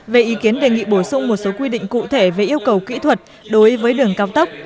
về ý kiến đề nghị bổ sung một số quy định cụ thể về yêu cầu kỹ thuật đối với đường cao tốc